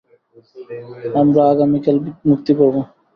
আমরা আগামীকাল মুক্তি পাবো।